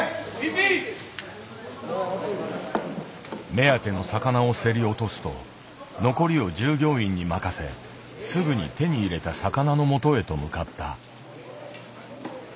目当ての魚を競り落とすと残りを従業員に任せすぐに手に入れた魚のもとへと向かった。